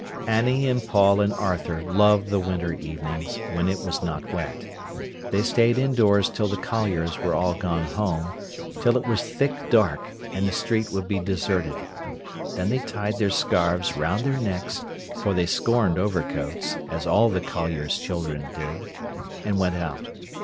Annie and Paul and Arthur loved the winter evenings, when it was not wet. They stayed indoors till the colliers were all gone home, till it was thick dark, and the street would be deserted. Then they tied their scarves round their necks, for they scorned overcoats, as all the colliers' children did, and went out.